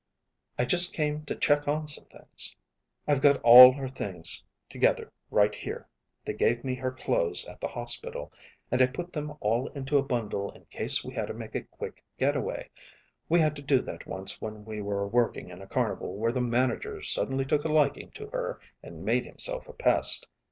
I just came to check on some things." "I've got all her things together right here. They gave me her clothes at the hospital, and put them all into a bundle in case we had to make a quick getaway. We had to do that once when we were working in a carnival where the manager suddenly took a liking to her and made himself a pest.